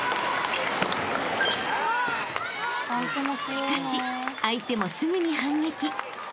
［しかし相手もすぐに反撃］